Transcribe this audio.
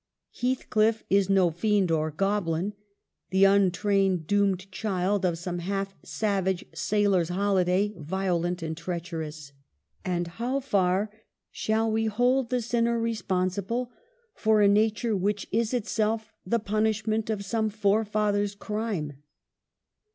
Heathcliff is no fiend or goblin ; the untrained doomed child of some half savage sailor's holiday, violent and treacherous. And how far shall we hold the sinner responsible for a nature which is itself the punishment of some forefather's crime